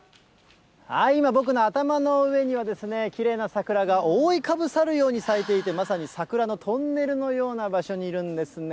今、僕の頭の上には、きれいな桜が覆いかぶさるように咲いていて、まさに桜のトンネルのような場所にいるんですね。